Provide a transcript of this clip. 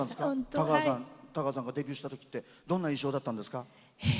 田川さんがデビューしたときってどんな印象だったんですか？